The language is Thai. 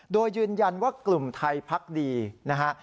โดยยืนยันว่ากลุ่มไทยพักดีนะฮะ